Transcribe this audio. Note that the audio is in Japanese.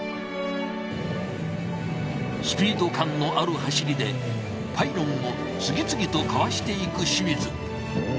スピード感のある走りでパイロンを次々とかわしていく清水。